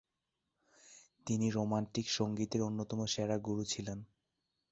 তিনি রোমান্টিক সংগীতের অন্যতম সেরা গুরু ছিলেন।